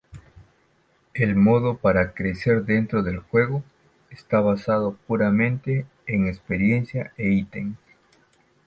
El modo para crecer dentro del juego esta basado puramente en experiencia e ítems.